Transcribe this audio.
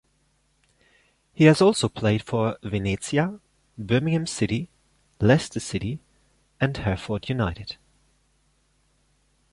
He has also played for Venezia, Birmingham City, Leicester City and Hereford United.